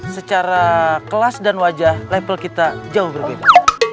secara kelas dan wajah level kita jauh berbeda